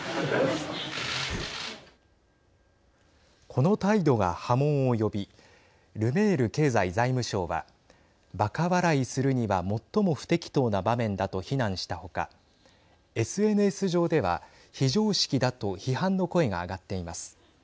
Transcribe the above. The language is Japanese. この態度が波紋を呼びルメール経済・財務相はばか笑いするには最も不適当な場面だと非難した他ＳＮＳ上では、非常識だと批判の声が上がっています。